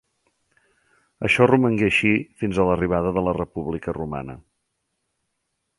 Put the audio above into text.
Això romangué així fins a l'arribada de la República romana.